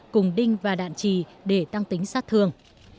cùng đinh và đạn trì để tăng tính sát thương